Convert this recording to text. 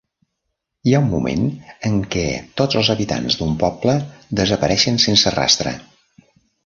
Hi ha un moment en què tots els habitants d'un poble desapareixen sense rastre.